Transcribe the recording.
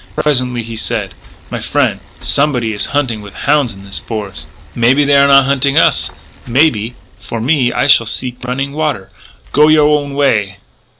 Presently he said: "My frien', somebody is hunting with houn's in this fores'. "Maybe they are not hunting us.... Maybe.... But, for me, I shall seek running water. Go you your own way!